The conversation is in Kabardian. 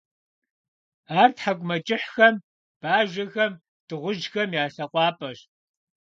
Ар тхьэкӀумэкӀыхьхэм, бажэхэм, дыгъужьхэм я лъэкъуапӀэщ.